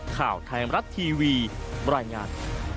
ข่าวไทยมรัฐทีวีบรรยายงาน